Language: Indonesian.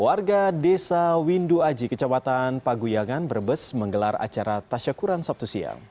warga desa windu aji kecamatan paguyangan brebes menggelar acara tasyakuran sabtu siang